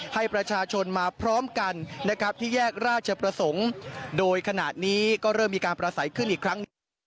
ให้ประชาชนมาพร้อมกันนะครับที่แยกราชประสงค์โดยขณะนี้ก็เริ่มมีการประสัยขึ้นอีกครั้ง